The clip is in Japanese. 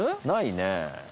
ないね。